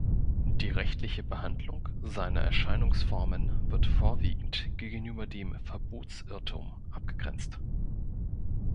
Die rechtliche Behandlung seiner Erscheinungsformen wird vorwiegend gegenüber dem Verbotsirrtum abgegrenzt.